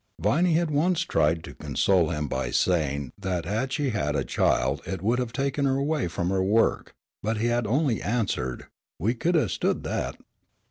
Viney had once tried to console him by saying that had she had a child it would have taken her away from her work, but he had only answered, "We could a' stood that."